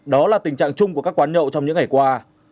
đó là tình trạng chung của các quán nhậu trong những ngày qua